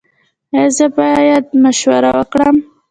ایا زه باید مشوره ورکړم؟